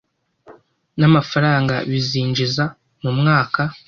n’amafaraga bizinjiza mu mwaka